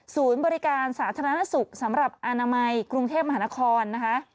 บริการสาธารณสุขสำหรับอนามัยกรุงเทพมหานครนะคะ